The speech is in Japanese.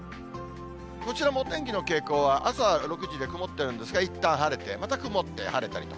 こちらのお天気の傾向は、朝６時で曇ってるんですが、いったん晴れて、また曇って晴れたりと。